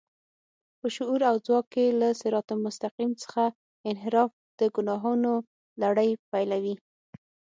په شعور او ځواک کې له صراط المستقيم څخه انحراف د ګناهونو لړۍ پيلوي.